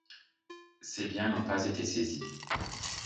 Ses biens n’ont pas été saisis.